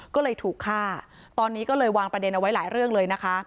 ก็เลยถูกฆ่าตอนนี้ก็เลยวางประเด็นเอาไว้หลายเรื่องเลยนะคะ